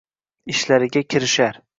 Ishlariga kirishar.